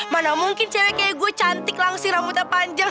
mana mungkin cewek kayak gue cantik langsi rambutnya panjang